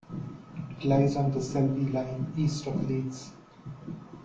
It lies on the Selby Line east of Leeds.